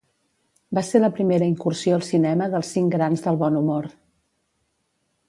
Va ser la primera incursió al cinema dels Cinc Grans del Bon Humor.